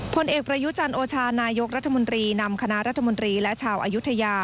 ผลเอกประยุจันโอชานายกรัฐมนตรีนำคณะรัฐมนตรีและชาวอายุทยา